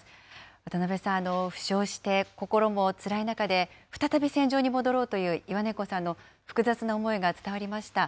渡辺さん、負傷して心もつらい中で、再び戦場に戻ろうというイワネンコさんの複雑な思いが伝わりました。